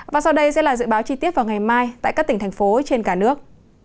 và sau đây sẽ là dự báo chi tiết vào ngày mai tại các tỉnh thành phố trên cả nước